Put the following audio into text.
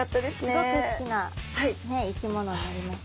すごく好きな生き物になりました。